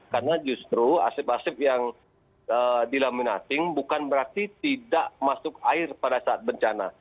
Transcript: karena justru asib asib yang dilaminating bukan berarti tidak masuk air pada saat bencana